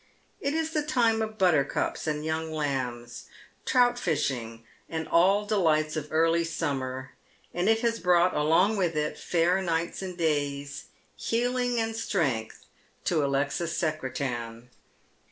It is the time of buttercups and young lambs, trout fishing, and all delights of early summer, and it has brought along witJi it fair nights and days, healing and strength, to Alexis Secretan.